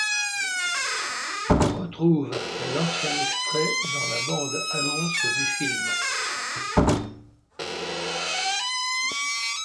On retrouve l'ancien extrait dans la bande-annonce du film.